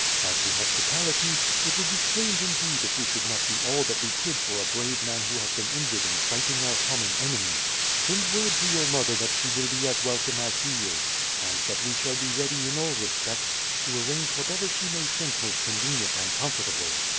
As to hospitality, it would be strange indeed if we should not do all that we could for a brave man who has been injured in fighting our common enemy. Send word to your mother that she will be as welcome as he is, and that we shall be ready in all respects to arrange whatever she may think most convenient and comfortable.